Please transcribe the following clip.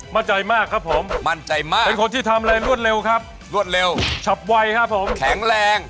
มั่นใจมากครับผมเป็นคนที่ทำอะไรลวดเร็วครับชับไวครับผมแข็งแรง